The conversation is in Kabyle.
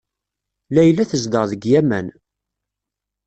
Layla tezdeɣ deg Yamen.